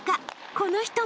［この人も］